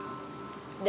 dan aku juga